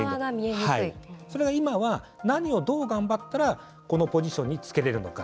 それが今は何をどう頑張ったらこのポジションにつけるのか。